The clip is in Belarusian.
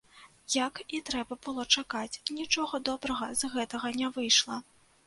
Як і трэба было чакаць, нічога добрага з гэтага не выйшла.